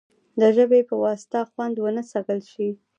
د ژبې په واسطه خوند ونه څکل شي.